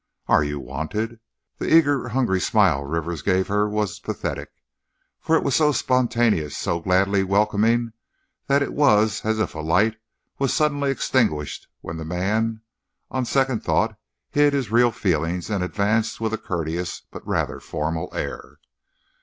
"Are you wanted?" the eager, hungry smile Rivers gave her was pathetic. For it was so spontaneous, so gladly welcoming that it was as if a light was suddenly extinguished when the man, on second thought, hid his real feelings and advanced with a courteous but rather formal air.